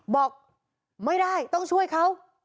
บอกไม่ได้ต้องช่วยเขา